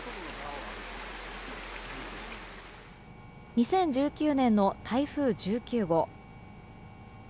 ２０１９年の台風１９号。